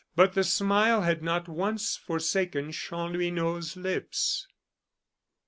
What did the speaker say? But the smile had not once forsaken Chanlouineau's lips.